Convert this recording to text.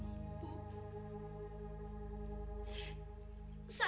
saat ini mas iwan sedang sakit keras bu